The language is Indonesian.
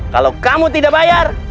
kalau kamu tidak bayar